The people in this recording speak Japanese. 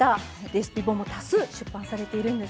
レシピ本も多数出版されているんですよね。